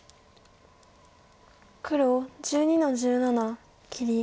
黒１２の十七切り。